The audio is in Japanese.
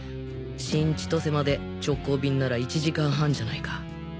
新千歳まで直行便なら１時間半じゃないか。